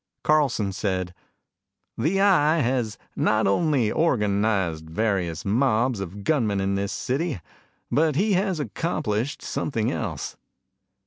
Carlson said, "The Eye has not only organized the various mobs of gunmen in this city, but he has accomplished something else.